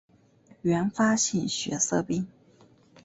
原发性血色病